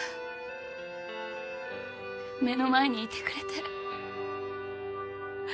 目の前にいてくれて。